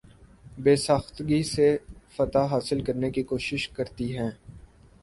بے ساختگی سے فتح حاصل کرنے کی کوشش کرتی ہیں